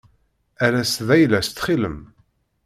Err-as-d ayla-as ttxil-m.